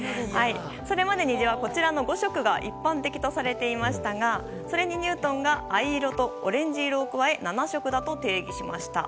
それまで虹はこちらの５色が一般的とされてきましたがそれにニュートンが藍色とオレンジ色を加え７色だと定義しました。